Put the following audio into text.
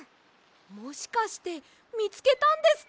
もしかしてみつけたんですか？